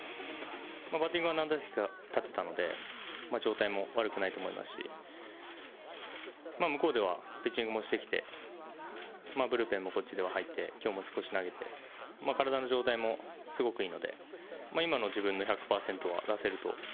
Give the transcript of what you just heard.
バッティングは何打席か立てたので、状態も悪くないと思いますし、向こうではピッチングもしてきて、ブルペンもこっちでは入って、きょうも少し投げて、体の状態もすごくいいので、今の自分の１００％は出せると。